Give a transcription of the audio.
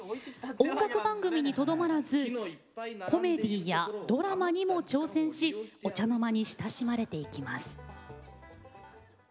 音楽番組にとどまらずコメディーやドラマにも挑戦しお茶の間に親しまれていきます。